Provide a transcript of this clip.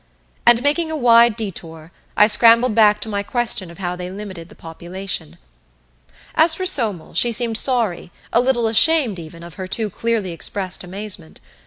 And, making a wide detour, I scrambled back to my question of how they limited the population. As for Somel, she seemed sorry, a little ashamed even, of her too clearly expressed amazement.